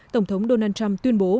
tổng thống donald trump tuyên bố